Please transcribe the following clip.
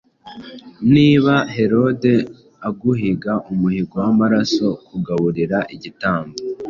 Niba Herode aguhiga umuhigo w'amaraso Kugaburira igitambo,